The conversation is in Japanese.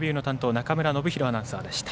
中村信博アナウンサーでした。